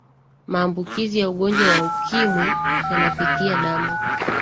maambukizi ya ugonjwa wa ukimwi yanapitia damu